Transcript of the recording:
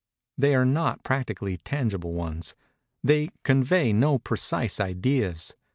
They are not practically tangible ones. They convey no precise ideas.